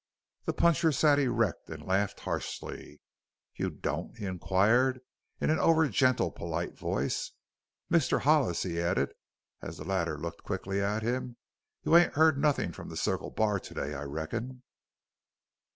The puncher sat erect and laughed harshly. "You don't?" he inquired in an over gentle, polite voice. "Mister Hollis," he added, as the latter looked quickly at him, "you ain't heard nothin' from the Circle Bar to day, I reckon?"